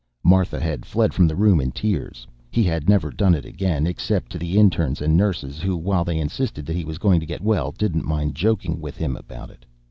Martha had fled from the room in tears. He had never done it again, except to the interns and nurses, who, while they insisted that he was going to get well, didn't mind joking with him about it.